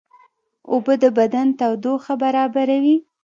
اوبه د بدن تودوخه برابروي